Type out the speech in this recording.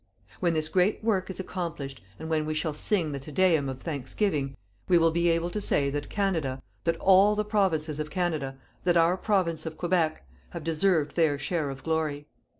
_ "When this great work is accomplished, and when we shall sing the TE DEUM _of thanksgiving, we will be able to say that Canada, that all the Provinces of Canada, that our Province of Quebec, have deserved their share of glory_."